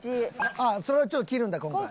あっそれはちょっと切るんだ今回。